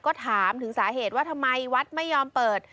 ก็ถามถึงสาเหตุว่าทำไมวัดไม่ยอมเปิด